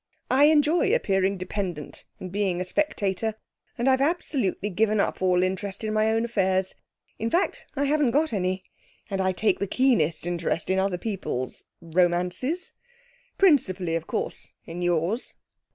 I enjoy appearing dependent and being a spectator, and I've absolutely given up all interest in my own affairs. In fact, I haven't got any. And I take the keenest interest in other people's romances. Principally, of course, in yours.'